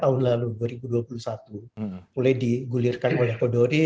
mulai digulirkan oleh kodori